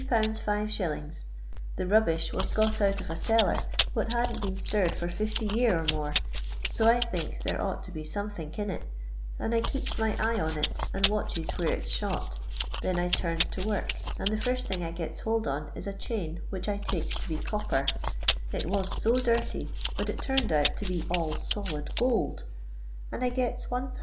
5s, The rubbish was got out of a cellar, what hadn't been stirred for fifty year or more, so I thinks there ought to be somethink in it, and I keeps my eye on it, and watches where it 's shot; then I turns to work, and the first thing I gits hold on is a chain, which I takes to be copper; it was so dirty, but it turned out to be all solid goold, and I gets 1/. 5«.